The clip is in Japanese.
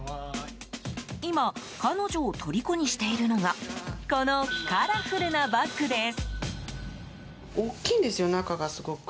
今、彼女をとりこにしているのがこのカラフルなバッグです。